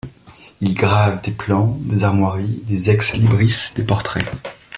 Il grave des plans, des armoiries, des ex libris, des portraits.